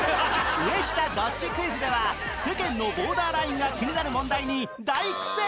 上下どっちクイズでは世間のボーダーラインが気になる問題に大苦戦！